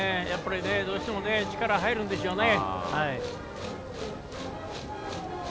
どうしても力が入るんでしょうね。